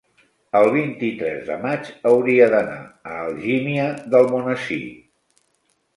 El vint-i-tres de maig hauria d'anar a Algímia d'Almonesir.